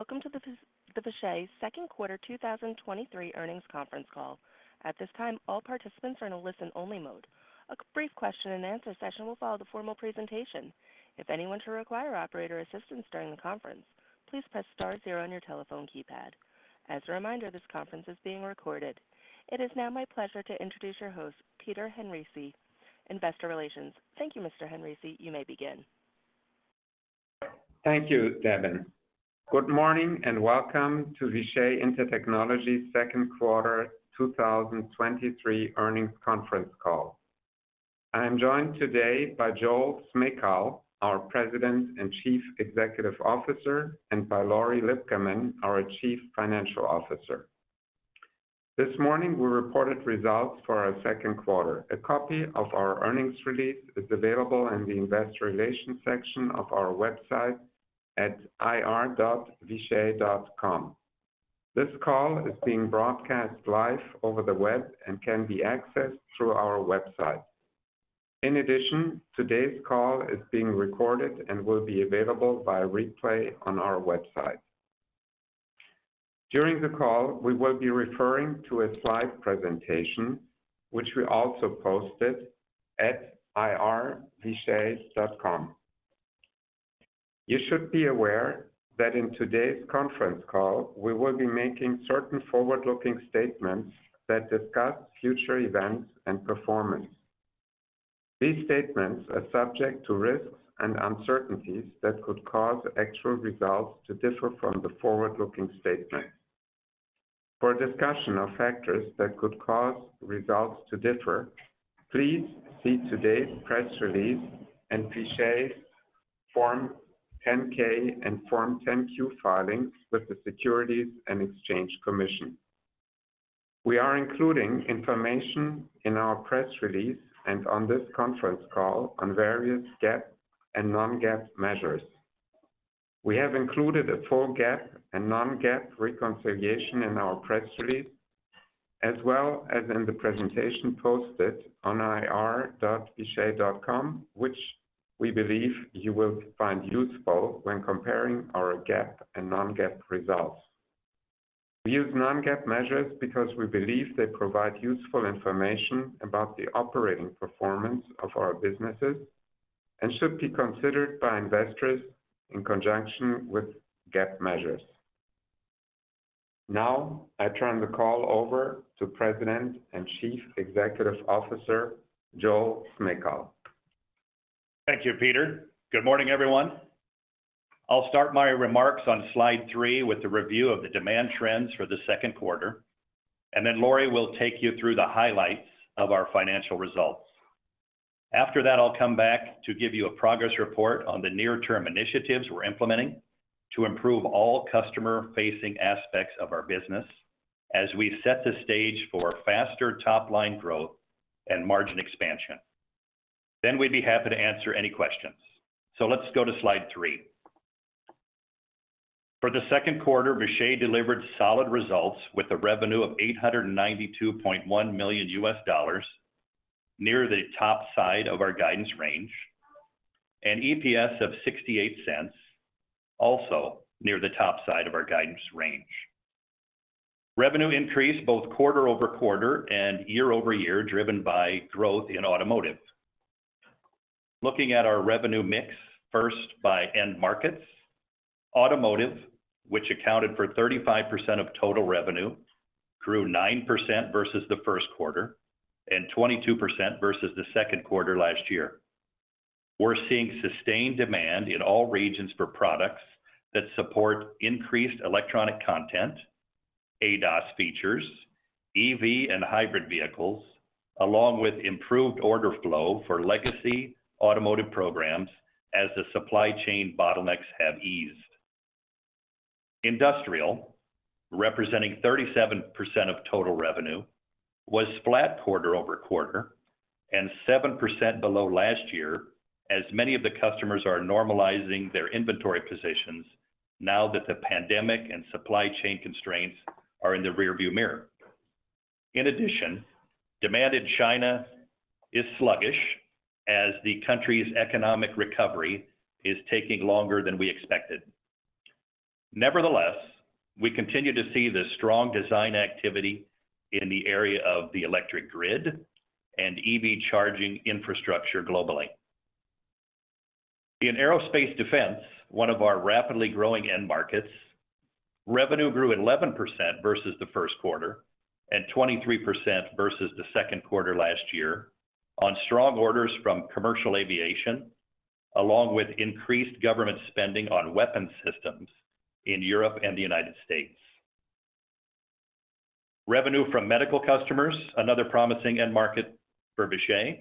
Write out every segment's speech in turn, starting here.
Welcome to the Vishay Second Quarter 2023 Earnings Conference Call. At this time, all participants are in a listen-only mode. A brief question-and-answer session will follow the formal presentation. If anyone should require operator assistance during the conference, please press star zero on your telephone keypad. As a reminder, this conference is being recorded. It is now my pleasure to introduce your host, Peter Henrici, Investor Relations. Thank you, Mr. Henrici. You may begin. Thank you, Devin. Good morning, and welcome to Vishay Intertechnology's Second Quarter 2023 Earnings Conference Call. I am joined today by Joel Smejkal, our President and Chief Executive Officer, and by Lori Lipcaman, our Chief Financial Officer. This morning, we reported results for our second quarter. A copy of our earnings release is available in the Investor Relations section of our website at ir.vishay.com. This call is being broadcast live over the web and can be accessed through our website. In addition, today's call is being recorded and will be available via replay on our website. During the call, we will be referring to a slide presentation, which we also posted at ir.vishay.com. You should be aware that in today's conference call, we will be making certain forward-looking statements that discuss future events and performance. These statements are subject to risks and uncertainties that could cause actual results to differ from the forward-looking statements. For a discussion of factors that could cause results to differ, please see today's press release and Vishay's Form 10-K and Form 10-Q filings with the Securities and Exchange Commission. We are including information in our press release and on this conference call on various GAAP and non-GAAP measures. We have included a full GAAP and non-GAAP reconciliation in our press release, as well as in the presentation posted on ir.vishay.com, which we believe you will find useful when comparing our GAAP and non-GAAP results. We use non-GAAP measures because we believe they provide useful information about the operating performance of our businesses and should be considered by investors in conjunction with GAAP measures. Now, I turn the call over to President and Chief Executive Officer, Joel Smejkal. Thank you, Peter. Good morning, everyone. I'll start my remarks on slide 3 with a review of the demand trends for the second quarter, and then Lori will take you through the highlights of our financial results. After that, I'll come back to give you a progress report on the near-term initiatives we're implementing to improve all customer-facing aspects of our business as we set the stage for faster top-line growth and margin expansion. We'd be happy to answer any questions. Let's go to slide 3. For the second quarter, Vishay delivered solid results with a revenue of $892.1 million, near the top side of our guidance range, and EPS of $0.68, also near the top side of our guidance range. Revenue increased both quarter-over-quarter and year-over-year, driven by growth in automotive. Looking at our revenue mix, first by end markets, automotive, which accounted for 35% of total revenue, grew 9% versus the first quarter and 22% versus the second quarter last year. We're seeing sustained demand in all regions for products that support increased electronic content, ADAS features, EV and hybrid vehicles, along with improved order flow for legacy automotive programs as the supply chain bottlenecks have eased. Industrial, representing 37% of total revenue, was flat quarter-over-quarter and 7% below last year, as many of the customers are normalizing their inventory positions now that the pandemic and supply chain constraints are in the rearview mirror. Demand in China is sluggish as the country's economic recovery is taking longer than we expected. We continue to see the strong design activity in the area of the electric grid and EV charging infrastructure globally. In aerospace defense, one of our rapidly growing end markets, revenue grew 11% versus the first quarter and 23% versus the second quarter last year on strong orders from commercial aviation, along with increased government spending on weapon systems in Europe and the United States. Revenue from medical customers, another promising end market for Vishay,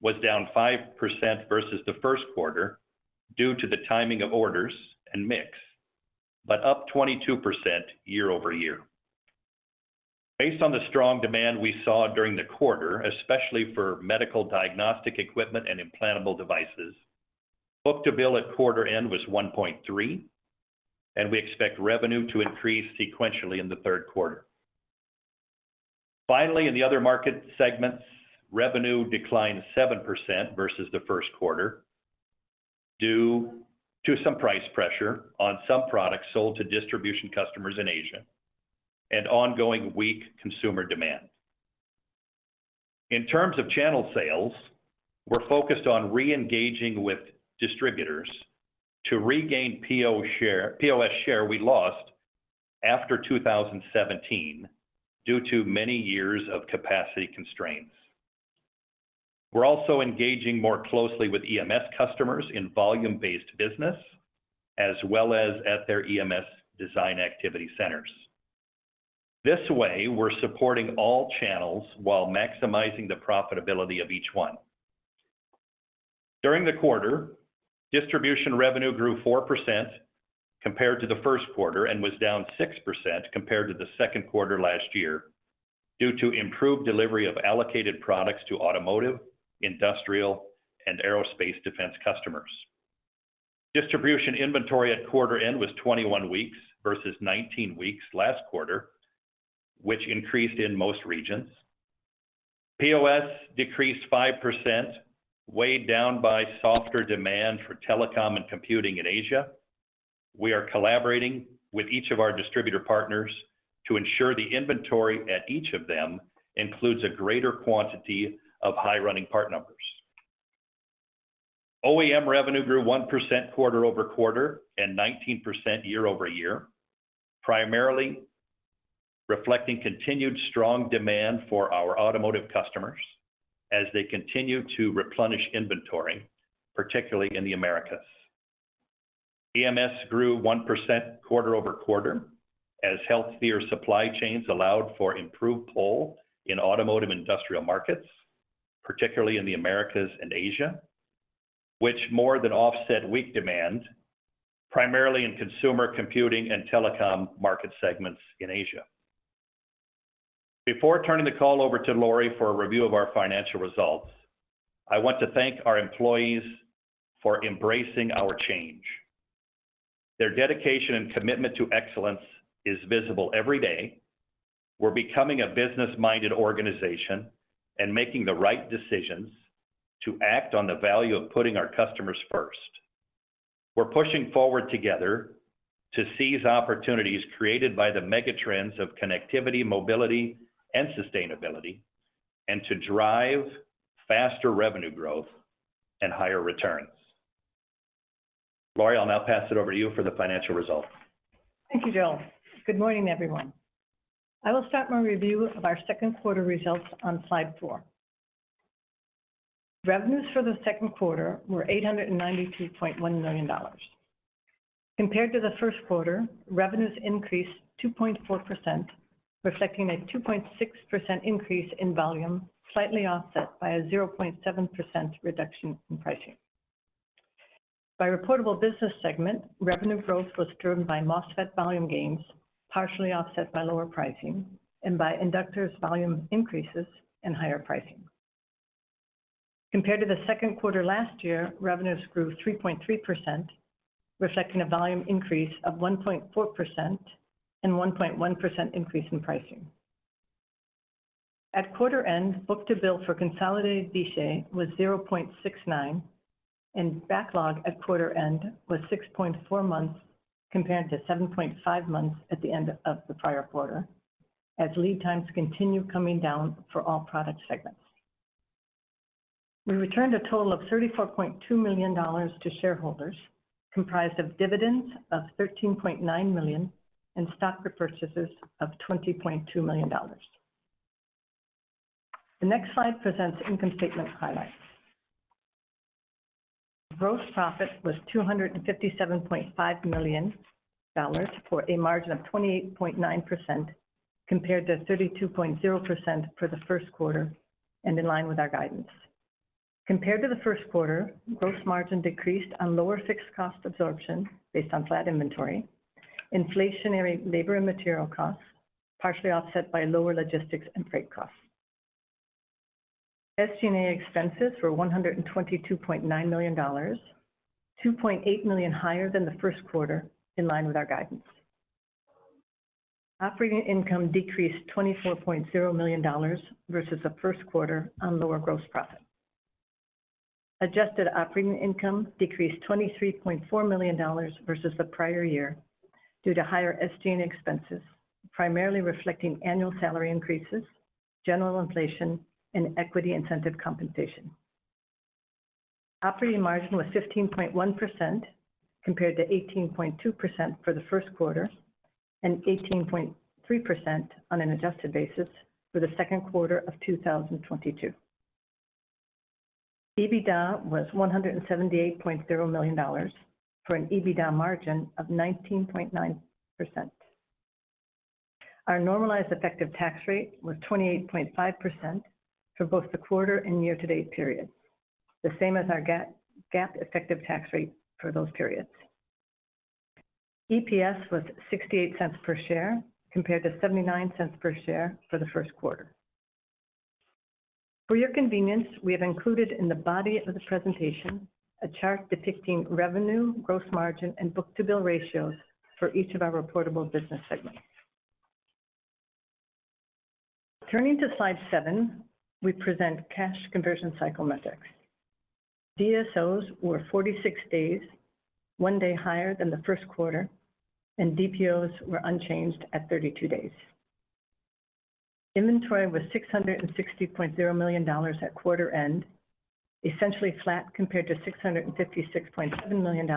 was down 5% versus the first quarter due to the timing of orders and mix, but up 22% year-over-year. Based on the strong demand we saw during the quarter, especially for medical diagnostic equipment and implantable devices, book-to-bill at quarter end was 1.3, and we expect revenue to increase sequentially in the third quarter. In the other market segments, revenue declined 7% versus the first quarter, due to some price pressure on some products sold to distribution customers in Asia, and ongoing weak consumer demand. In terms of channel sales, we're focused on reengaging with distributors to regain PO share-- POS share we lost after 2017, due to many years of capacity constraints. We're also engaging more closely with EMS customers in volume-based business, as well as at their EMS design activity centers. This way, we're supporting all channels while maximizing the profitability of each one. During the quarter, distribution revenue grew 4% compared to the first quarter, and was down 6% compared to the second quarter last year, due to improved delivery of allocated products to automotive, industrial, and aerospace defense customers. Distribution inventory at quarter end was 21 weeks versus 19 weeks last quarter, which increased in most regions. POS decreased 5%, weighed down by softer demand for telecom and computing in Asia. We are collaborating with each of our distributor partners to ensure the inventory at each of them includes a greater quantity of high-running part numbers. OEM revenue grew 1% quarter-over-quarter, and 19% year-over-year, primarily reflecting continued strong demand for our automotive customers as they continue to replenish inventory, particularly in the Americas. EMS grew 1% quarter-over-quarter, as healthier supply chains allowed for improved pull in automotive industrial markets, particularly in the Americas and Asia, which more than offset weak demand, primarily in consumer computing and telecom market segments in Asia. Before turning the call over to Lori for a review of our financial results, I want to thank our employees for embracing our change. Their dedication and commitment to excellence is visible every day. We're becoming a business-minded organization, and making the right decisions to act on the value of putting our customers first. We're pushing forward together to seize opportunities created by the mega trends of connectivity, mobility, and sustainability, and to drive faster revenue growth and higher returns. Lori, I'll now pass it over to you for the financial results. Thank you, Joel. Good morning, everyone. I will start my review of our second quarter results on slide 4. Revenues for the second quarter were $892.1 million. Compared to the first quarter, revenues increased 2.4%, reflecting a 2.6% increase in volume, slightly offset by a 0.7% reduction in pricing. By reportable business segment, revenue growth was driven by MOSFET volume gains, partially offset by lower pricing, and by inductors volume increases and higher pricing. Compared to the second quarter last year, revenues grew 3.3%, reflecting a volume increase of 1.4% and 1.1% increase in pricing. At quarter end, book-to-bill for consolidated Vishay was 0.69, and backlog at quarter end was 6.4 months, compared to 7.5 months at the end of the prior quarter, as lead times continue coming down for all product segments. We returned a total of $34.2 million to shareholders, comprised of dividends of $13.9 million, and stock repurchases of $20.2 million. The next slide presents income statement highlights. Gross profit was $257.5 million, for a margin of 28.9%, compared to 32.0% for the first quarter, and in line with our guidance. Compared to the first quarter, gross margin decreased on lower fixed cost absorption based on flat inventory, inflationary labor and material costs, partially offset by lower logistics and freight costs. SG&A expenses were $122.9 million, $2.8 million higher than the first quarter, in line with our guidance. Operating income decreased $24.0 million versus the first quarter on lower gross profit. Adjusted operating income decreased $23.4 million versus the prior year due to higher SG&A expenses, primarily reflecting annual salary increases, general inflation, and equity incentive compensation. Operating margin was 15.1%, compared to 18.2% for the first quarter, and 18.3% on an adjusted basis for the second quarter of 2022. EBITDA was $178.0 million, for an EBITDA margin of 19.9%. Our normalized effective tax rate was 28.5% for both the quarter and year-to-date period, the same as our GAAP effective tax rate for those periods. EPS was $0.68 per share, compared to $0.79 per share for the first quarter. For your convenience, we have included in the body of the presentation a chart depicting revenue, gross margin, and book-to-bill ratios for each of our reportable business segments. Turning to slide 7, we present cash conversion cycle metrics. DSOs were 46 days, 1 day higher than the first quarter, and DPOs were unchanged at 32 days. Inventory was $660.0 million at quarter end, essentially flat compared to $656.7 million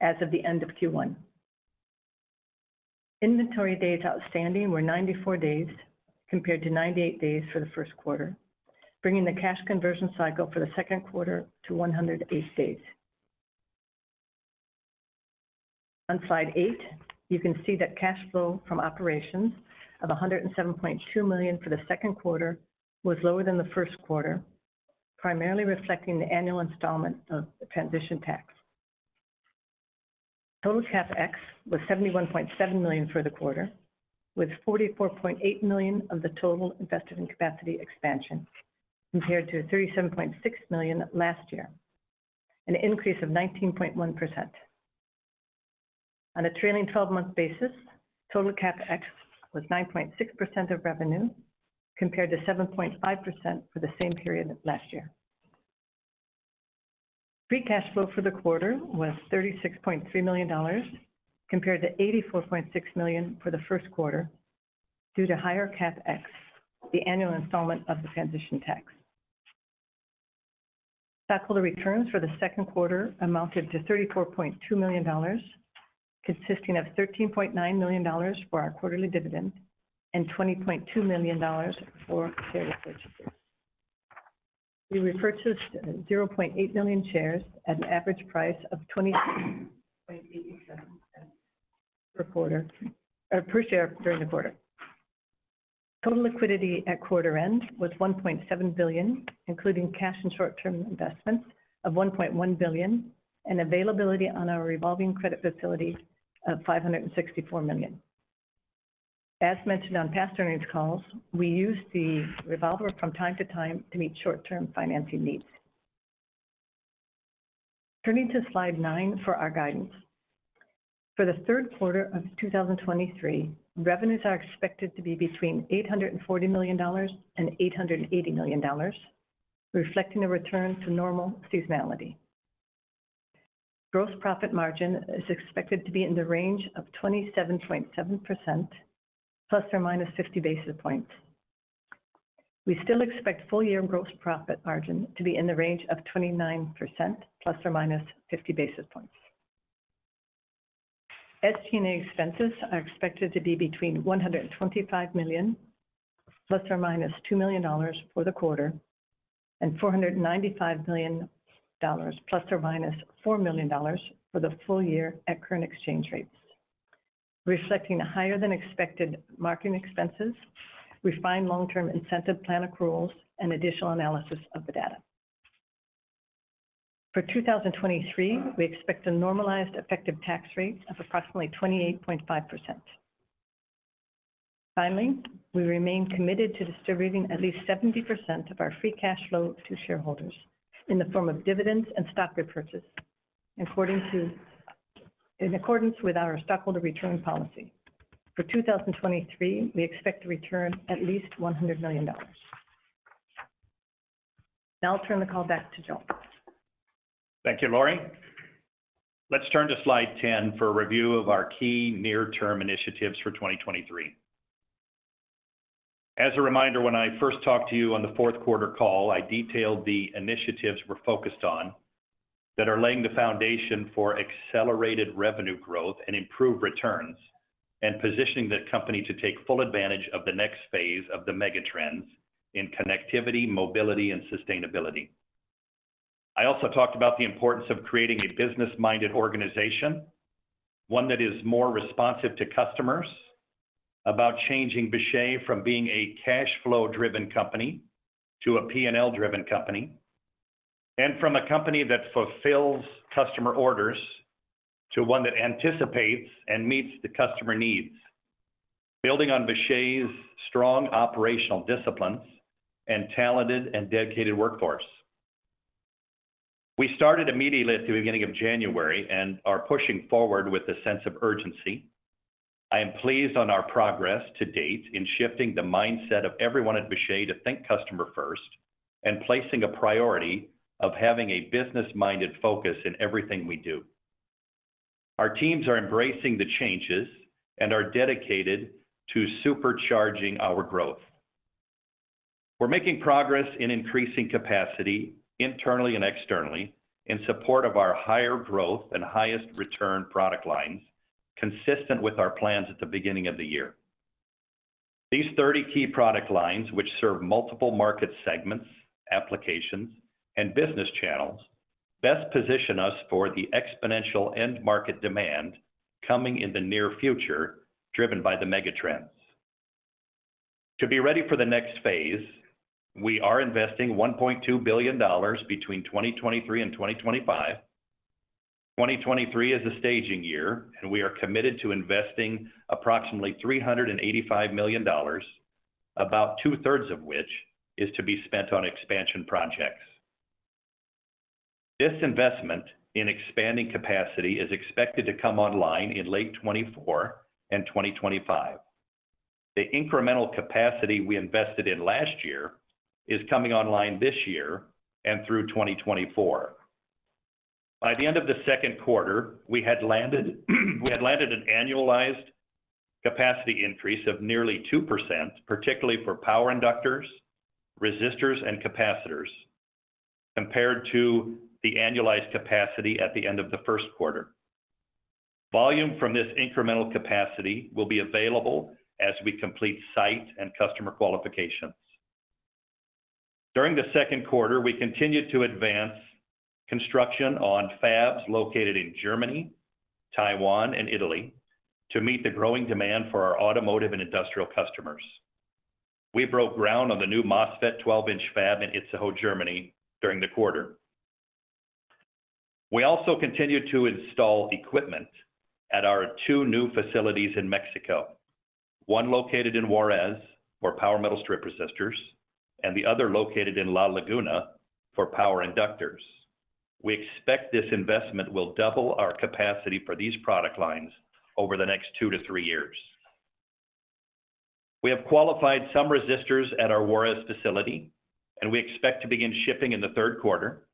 as of the end of Q1. Inventory days outstanding were 94 days, compared to 98 days for the first quarter, bringing the cash conversion cycle for the second quarter to 108 days. On slide 8, you can see that cash flow from operations of $107.2 million for the second quarter was lower than the first quarter, primarily reflecting the annual installment of the transition tax. Total CapEx was $71.7 million for the quarter, with $44.8 million of the total invested in capacity expansion, compared to $37.6 million last year, an increase of 19.1%. On a trailing twelve-month basis, total CapEx was 9.6% of revenue, compared to 7.5% for the same period last year. Free cash flow for the quarter was $36.3 million, compared to $84.6 million for the first quarter, due to higher CapEx, the annual installment of the transition tax. Shareholder returns for the second quarter amounted to $34.2 million, consisting of $13.9 million for our quarterly dividend and $20.2 million for share repurchases. We repurchased 0.8 million shares at an average price of $0.20 per quarter, per share during the quarter. Total liquidity at quarter end was $1.7 billion, including cash and short-term investments of $1.1 billion, and availability on our revolving credit facility of $564 million. As mentioned on past earnings calls, we use the revolver from time to time to meet short-term financing needs. Turning to slide 9 for our guidance. For the third quarter of 2023, revenues are expected to be between $840 million and $880 million, reflecting a return to normal seasonality. Gross profit margin is expected to be in the range of 27.7% ±50 basis points. We still expect full-year gross profit margin to be in the range of 29% ±50 basis points. SG&A expenses are expected to be between $125 million ±$2 million for the quarter, and $495 million ±$4 million for the full year at current exchange rates. Reflecting higher-than-expected marketing expenses, refined long-term incentive plan accruals, and additional analysis of the data. For 2023, we expect a normalized effective tax rate of approximately 28.5%. Finally, we remain committed to distributing at least 70% of our free cash flow to shareholders in the form of dividends and stock repurchase. In accordance with our Stockholder Return Policy. For 2023, we expect to return at least $100 million. Now I'll turn the call back to Joel. Thank you, Lori. Let's turn to slide 10 for a review of our key near-term initiatives for 2023. As a reminder, when I first talked to you on the fourth quarter call, I detailed the initiatives we're focused on that are laying the foundation for accelerated revenue growth and improved returns, and positioning the company to take full advantage of the next phase of the mega trends in connectivity, mobility, and sustainability. I also talked about the importance of creating a business-minded organization, one that is more responsive to customers, about changing Vishay from being a cash flow-driven company to a P&L-driven company, and from a company that fulfills customer orders, to one that anticipates and meets the customer needs, building on Vishay's strong operational disciplines and talented and dedicated workforce. We started immediately at the beginning of January and are pushing forward with a sense of urgency. I am pleased on our progress to date in shifting the mindset of everyone at Vishay to think customer first, and placing a priority of having a business-minded focus in everything we do. Our teams are embracing the changes and are dedicated to supercharging our growth. We're making progress in increasing capacity, internally and externally, in support of our higher growth and highest return product lines, consistent with our plans at the beginning of the year. These 30 key product lines, which serve multiple market segments, applications, and business channels, best position us for the exponential end-market demand coming in the near future, driven by the mega trends. To be ready for the next phase, we are investing $1.2 billion between 2023 and 2025. 2023 is a staging year, we are committed to investing approximately $385 million, about two-thirds of which is to be spent on expansion projects. This investment in expanding capacity is expected to come online in late 2024 and 2025. The incremental capacity we invested in last year is coming online this year and through 2024. By the end of the second quarter, we had landed an annualized capacity increase of nearly 2%, particularly for power inductors, resistors, and capacitors, compared to the annualized capacity at the end of the first quarter. Volume from this incremental capacity will be available as we complete site and customer qualifications. During the second quarter, we continued to advance construction on fabs located in Germany, Taiwan, and Italy, to meet the growing demand for our automotive and industrial customers. We broke ground on the new MOSFET 12-inch fab in Itzehoe, Germany, during the quarter. We also continued to install equipment at our two new facilities in Mexico, one located in Juarez for Power Metal Strip resistors, and the other located in La Laguna for power inductors. We expect this investment will double our capacity for these product lines over the next 2 to 3 years. We have qualified some resistors at our Juarez facility, and we expect to begin shipping in the third quarter.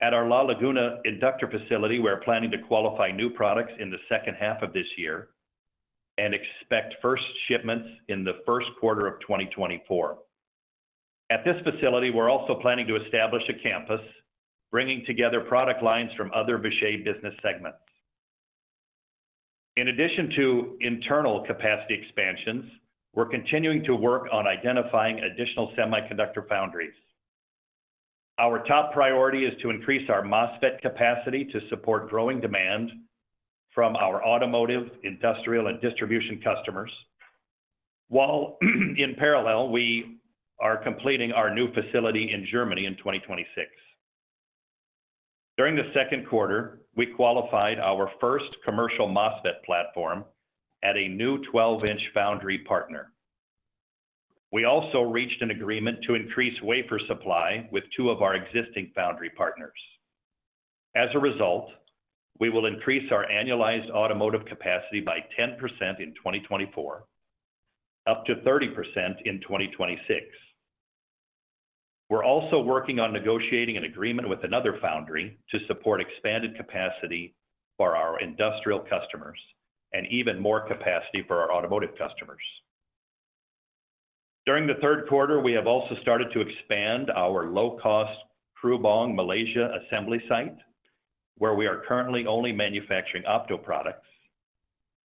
At our La Laguna inductor facility, we are planning to qualify new products in the second half of this year, and expect first shipments in the first quarter of 2024. At this facility, we're also planning to establish a campus, bringing together product lines from other Vishay business segments. In addition to internal capacity expansions, we're continuing to work on identifying additional semiconductor foundries. Our top priority is to increase our MOSFET capacity to support growing demand from our automotive, industrial, and distribution customers, while, in parallel, we are completing our new facility in Germany in 2026. During the second quarter, we qualified our first commercial MOSFET platform at a new 12-inch foundry partner. We also reached an agreement to increase wafer supply with two of our existing foundry partners. As a result, we will increase our annualized automotive capacity by 10% in 2024, up to 30% in 2026. We're also working on negotiating an agreement with another foundry to support expanded capacity for our industrial customers, and even more capacity for our automotive customers. During the third quarter, we have also started to expand our low-cost Krubong, Malaysia assembly site, where we are currently only manufacturing opto products.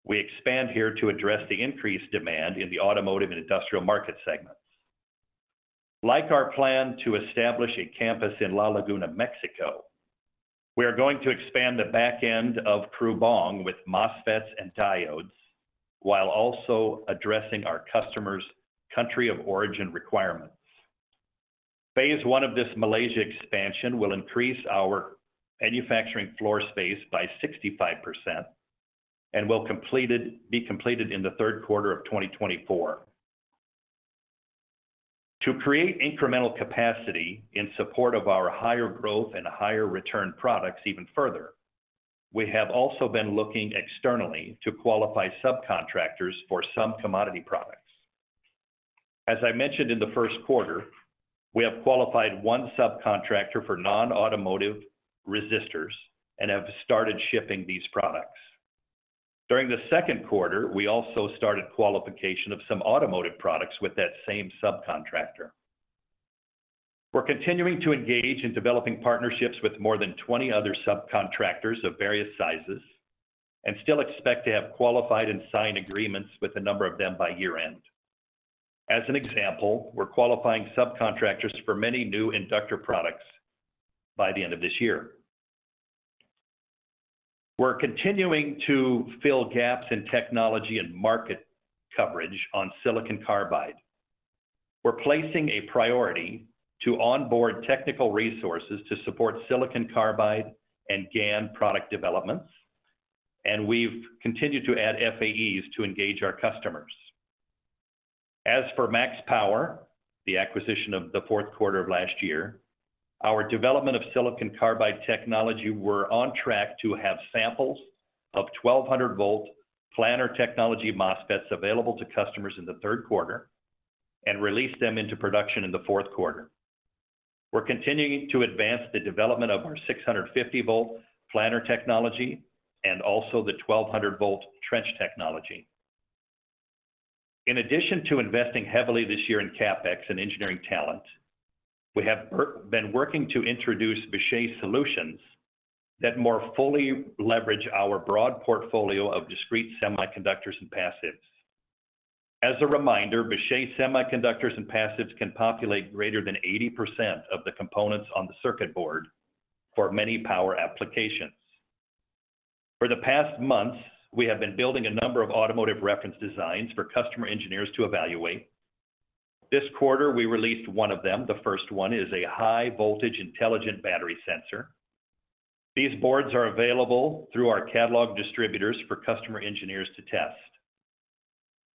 We expand here to address the increased demand in the automotive and industrial market segments. Like our plan to establish a campus in La Laguna, Mexico, we are going to expand the back end of Krubong with MOSFETs and diodes, while also addressing our customers' country of origin requirements. Phase one of this Malaysia expansion will increase our manufacturing floor space by 65% and will be completed in the third quarter of 2024. To create incremental capacity in support of our higher growth and higher return products even further, we have also been looking externally to qualify subcontractors for some commodity products. As I mentioned in the first quarter, we have qualified one subcontractor for non-automotive resistors and have started shipping these products. During the second quarter, we also started qualification of some automotive products with that same subcontractor. We're continuing to engage in developing partnerships with more than 20 other subcontractors of various sizes, still expect to have qualified and signed agreements with a number of them by year-end. As an example, we're qualifying subcontractors for many new inductor products by the end of this year. We're continuing to fill gaps in technology and market coverage on silicon carbide. We're placing a priority to onboard technical resources to support silicon carbide and GaN product developments, we've continued to add FAEs to engage our customers. As for MaxPower, the acquisition of the fourth quarter of last year, our development of silicon carbide technology we're on track to have samples of 1,200 volt planar technology MOSFETs available to customers in the third quarter, release them into production in the fourth quarter. We're continuing to advance the development of our 650 volt planar technology and also the 1,200 volt trench technology. In addition to investing heavily this year in CapEx and engineering talent, we have been working to introduce Vishay solutions that more fully leverage our broad portfolio of discrete semiconductors and passives. As a reminder, Vishay semiconductors and passives can populate greater than 80% of the components on the circuit board for many power applications. For the past months, we have been building a number of automotive reference designs for customer engineers to evaluate. This quarter, we released one of them. The first one is a high-voltage intelligent battery sensor. These boards are available through our catalog distributors for customer engineers to test.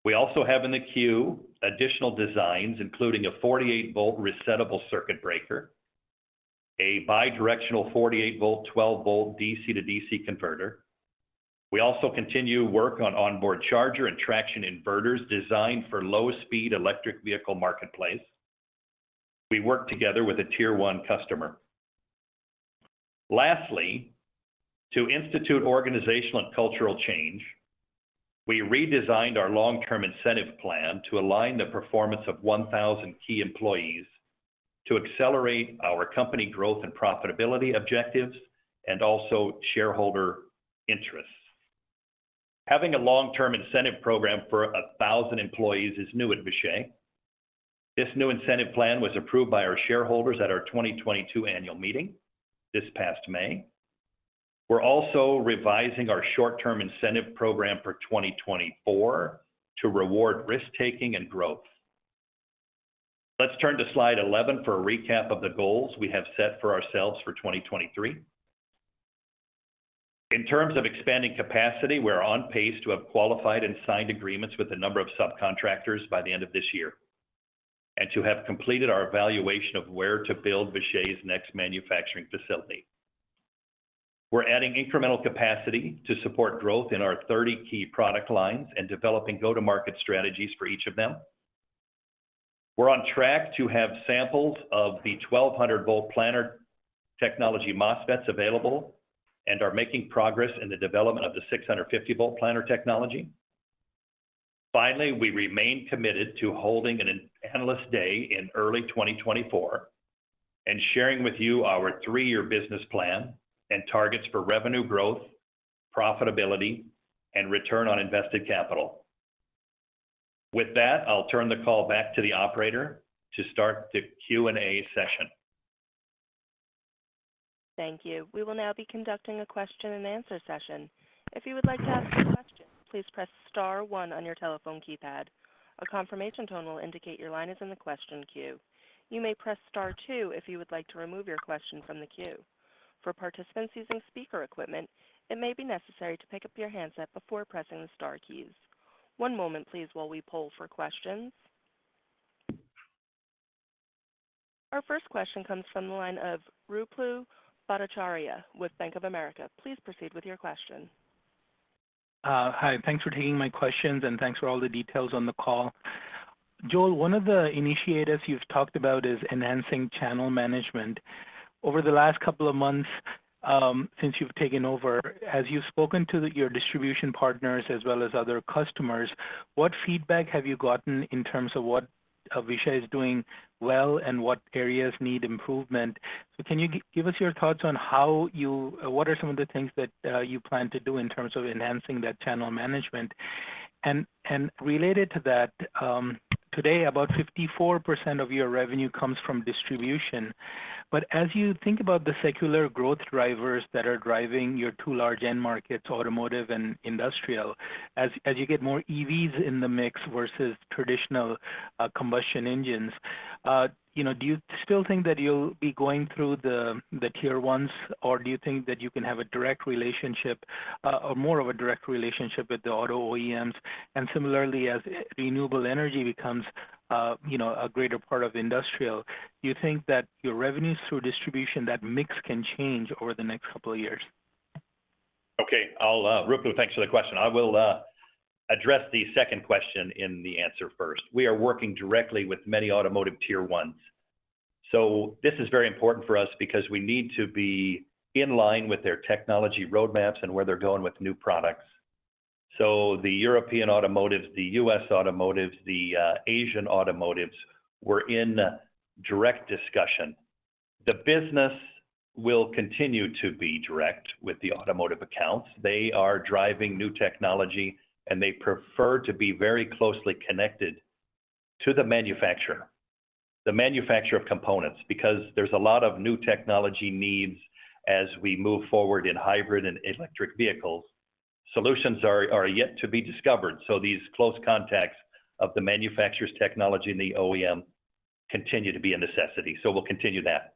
We also have in the queue additional designs, including a 48V resettable circuit breaker, a bidirectional 48V, 12V DC to DC converter. We also continue work on onboard charger and traction inverters designed for low speed electric vehicle marketplace. We work together with a Tier 1 customer. Lastly, to institute organizational and cultural change, we redesigned our long-term incentive plan to align the performance of 1,000 key employees to accelerate our company growth and profitability objectives, and also shareholder interests. Having a long-term incentive program for 1,000 employees is new at Vishay. This new incentive plan was approved by our shareholders at our 2022 annual meeting this past May. We're also revising our short-term incentive program for 2024 to reward risk-taking and growth. Let's turn to slide 11 for a recap of the goals we have set for ourselves for 2023. In terms of expanding capacity, we're on pace to have qualified and signed agreements with a number of subcontractors by the end of this year, and to have completed our evaluation of where to build Vishay's next manufacturing facility. We're adding incremental capacity to support growth in our 30 key product lines and developing go-to-market strategies for each of them. We're on track to have samples of the 1,200 volt planar technology MOSFETs available, and are making progress in the development of the 650 volt planar technology. Finally, we remain committed to holding an Analyst Day in early 2024, and sharing with you our 3-year business plan and targets for revenue growth, profitability, and return on invested capital. With that, I'll turn the call back to the operator to start the Q&A session. Thank you. We will now be conducting a question and answer session. If you would like to ask a question, please press star one on your telephone keypad. A confirmation tone will indicate your line is in the question queue. You may press star two if you would like to remove your question from the queue. For participants using speaker equipment, it may be necessary to pick up your handset before pressing the star keys. One moment, please, while we poll for questions. Our first question comes from the line of Ruplu Bhattacharya with Bank of America. Please proceed with your question. Hi, thanks for taking my questions, and thanks for all the details on the call. Joel, one of the initiatives you've talked about is enhancing channel management. Over the last couple of months, since you've taken over, as you've spoken to your distribution partners as well as other customers, what feedback have you gotten in terms of what Vishay is doing well and what areas need improvement? Can you give us your thoughts on how you, what are some of the things that you plan to do in terms of enhancing that channel management? Related to that, today, about 54% of your revenue comes from distribution. As you think about the secular growth drivers that are driving your two large end markets, automotive and industrial, as, as you get more EVs in the mix versus traditional combustion engines, you know, do you still think that you'll be going through the, the Tier Ones, or do you think that you can have a direct relationship or more of a direct relationship with the auto OEMs? Similarly, as renewable energy becomes, a greater part of industrial, do you think that your revenues through distribution, that mix can change over the next two years? Okay, I'll... Ruplu, thanks for the question. I will address the second question in the answer first. We are working directly with many automotive Tier 1s. This is very important for us because we need to be in line with their technology roadmaps and where they're going with new products. The European automotives, the U.S. automotives, the Asian automotives, we're in direct discussion. The business will continue to be direct with the automotive accounts. They are driving new technology, and they prefer to be very closely connected to the manufacturer, the manufacturer of components, because there's a lot of new technology needs as we move forward in hybrid and electric vehicles. Solutions are, are yet to be discovered, so these close contacts of the manufacturer's technology and the OEM continue to be a necessity. We'll continue that.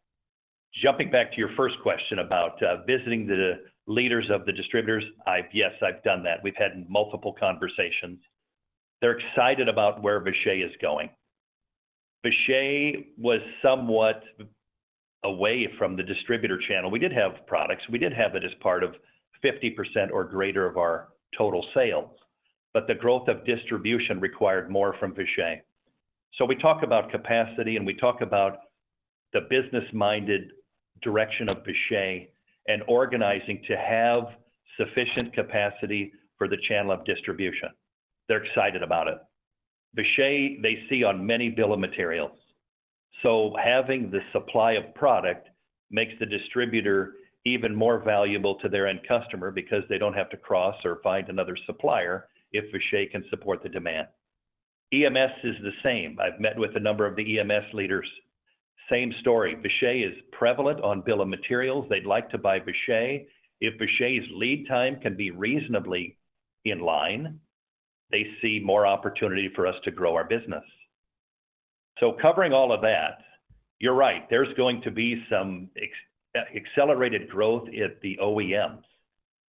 Jumping back to your first question about visiting the leaders of the distributors, I've-- yes, I've done that. We've had multiple conversations. They're excited about where Vishay is going. Vishay was somewhat away from the distributor channel. We did have products. We did have it as part of 50% or greater of our total sales, but the growth of distribution required more from Vishay. We talk about capacity, and we talk about the business-minded direction of Vishay, and organizing to have sufficient capacity for the channel of distribution. They're excited about it. Vishay, they see on many bill of materials, so having the supply of product makes the distributor even more valuable to their end customer because they don't have to cross or find another supplier if Vishay can support the demand. EMS is the same. I've met with a number of the EMS leaders-.. Same story, Vishay is prevalent on bill of materials. They'd like to buy Vishay. If Vishay's lead time can be reasonably in line, they see more opportunity for us to grow our business. Covering all of that, you're right, there's going to be some ex- accelerated growth at the OEMs,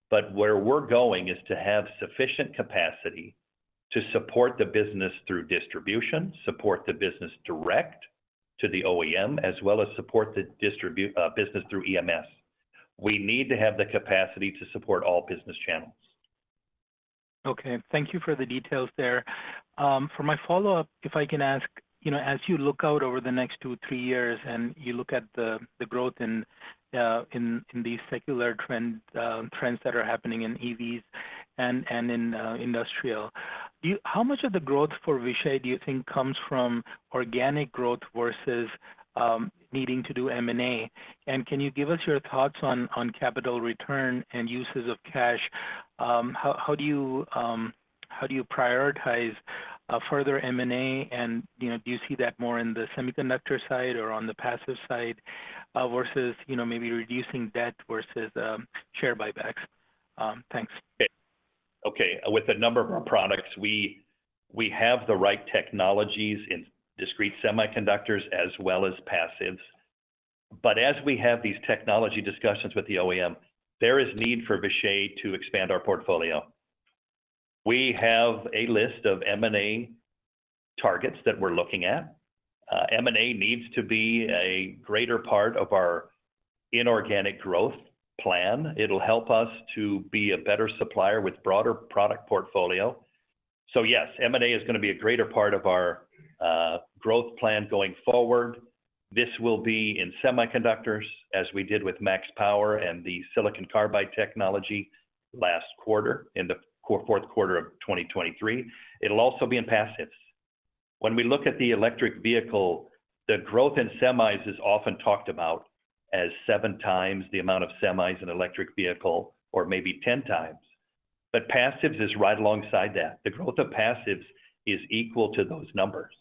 but where we're going is to have sufficient capacity to support the business through distribution, support the business direct to the OEM, as well as support the distribu-- business through EMS. We need to have the capacity to support all business channels. Okay, thank you for the details there. For my follow-up, if I can ask, you know, as you look out over the next 2, 3 years, and you look at the, the growth in, in these secular trend trends that are happening in EVs and in industrial, how much of the growth for Vishay do you think comes from organic growth versus needing to do M&A? And can you give us your thoughts on, on capital return and uses of cash? How, how do you, how do you prioritize further M&A? And, you know, do you see that more in the semiconductor side or on the passive side versus, you know, maybe reducing debt versus share buybacks? Thanks. Okay. With a number of our products, we, we have the right technologies in discrete semiconductors as well as passives. As we have these technology discussions with the OEM, there is need for Vishay to expand our portfolio. We have a list of M&A targets that we're looking at. M&A needs to be a greater part of our inorganic growth plan. It'll help us to be a better supplier with broader product portfolio. Yes, M&A is gonna be a greater part of our growth plan going forward. This will be in semiconductors, as we did with MaxPower and the silicon carbide technology last quarter, in the fourth quarter of 2023. It'll also be in passives. When we look at the electric vehicle, the growth in semis is often talked about as seven times the amount of semis in electric vehicle, or maybe ten times. Passives is right alongside that. The growth of passives is equal to those numbers.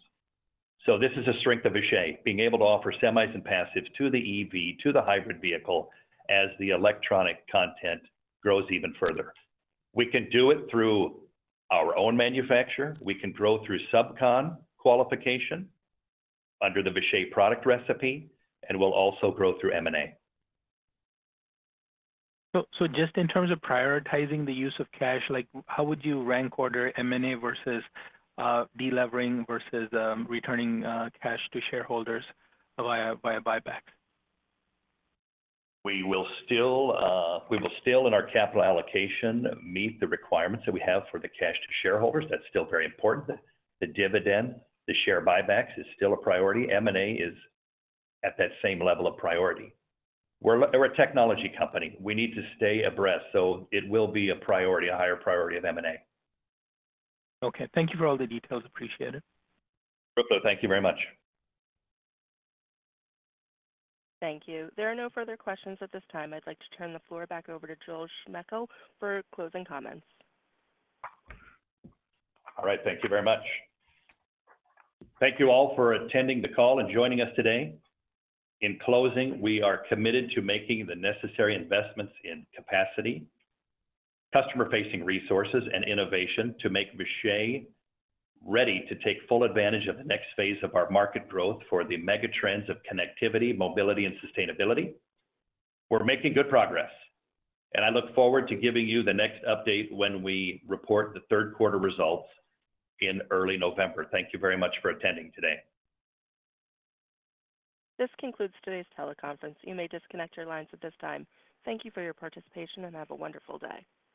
This is a strength of Vishay, being able to offer semis and passives to the EV, to the hybrid vehicle, as the electronic content grows even further. We can do it through our own manufacture. We can grow through subcon qualification under the Vishay product recipe, and we'll also grow through M&A. Just in terms of prioritizing the use of cash, like how would you rank order M&A versus delevering, versus returning cash to shareholders via buyback? We will still, we will still, in our capital allocation, meet the requirements that we have for the cash to shareholders. That's still very important. The dividend, the share buybacks is still a priority. M&A is at that same level of priority. We're a technology company. We need to stay abreast, so it will be a priority, a higher priority of M&A. Okay. Thank you for all the details. Appreciate it. Ruplu, thank you very much. Thank you. There are no further questions at this time. I'd like to turn the floor back over to Joel Smejkal for closing comments. All right. Thank you very much. Thank you all for attending the call and joining us today. In closing, we are committed to making the necessary investments in capacity, customer-facing resources, and innovation to make Vishay ready to take full advantage of the next phase of our market growth for the mega trends of connectivity, mobility, and sustainability. We're making good progress, and I look forward to giving you the next update when we report the third quarter results in early November. Thank you very much for attending today. This concludes today's teleconference. You may disconnect your lines at this time. Thank you for your participation, and have a wonderful day.